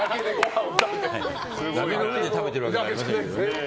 崖の上で食べてるわけじゃありませんけどね。